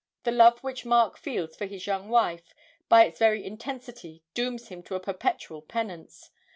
The love which Mark feels for his young wife, by its very intensity dooms him to a perpetual penance.